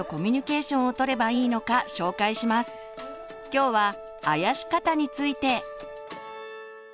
今日は「あやし方」について。